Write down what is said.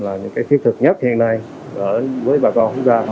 là những cái thiết thực nhất hiện nay với bà con chúng ta